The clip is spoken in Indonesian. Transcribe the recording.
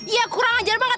ya kurang ajar banget